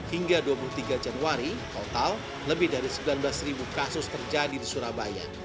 hingga dua puluh tiga januari total lebih dari sembilan belas kasus terjadi di surabaya